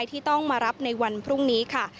ส่วนสบนิรนามทั้ง๓คนที่แพทย์ขอความร่วมมือก่อนหน้านี้นะคะ